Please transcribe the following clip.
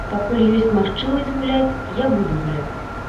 Пакуль ёсць магчымасць гуляць, я буду гуляць.